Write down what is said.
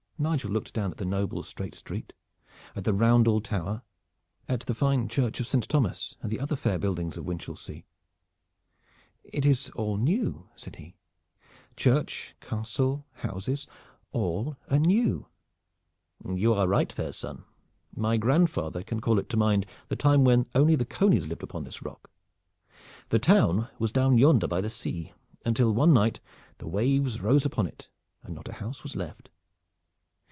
Nigel looked down at the noble straight street, at the Roundel Tower, at the fine church of Saint Thomas, and the other fair buildings of Winchelsea. "It is all new," said he "church, castle, houses, all are new." "You are right, fair son. My grandfather can call to mind the time when only the conies lived upon this rock. The town was down yonder by the sea, until one night the waves rose upon it and not a house was left.